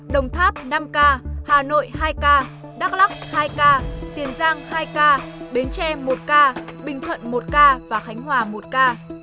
đồng tháp năm ca hà nội hai ca đắk lắc hai ca tiền giang hai ca bến tre một ca bình thuận một ca và khánh hòa một ca